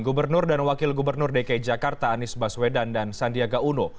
gubernur dan wakil gubernur dki jakarta anies baswedan dan sandiaga uno